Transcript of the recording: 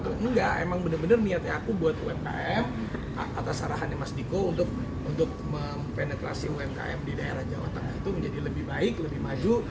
enggak emang bener bener niatnya aku buat umkm atas arahannya mas diko untuk mempenetrasi umkm di daerah jawa tengah itu menjadi lebih baik lebih maju